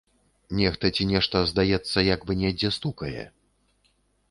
Нехта ці нешта, здаецца, як бы недзе стукае?